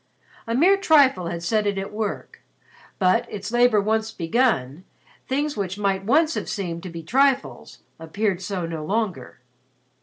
A mere trifle had set it at work, but, its labor once begun, things which might have once seemed to be trifles appeared so no longer.